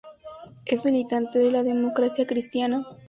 Es militante de la Democracia Cristiana.